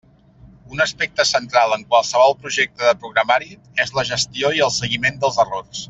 Un aspecte central en qualsevol projecte de programari és la gestió i el seguiment dels errors.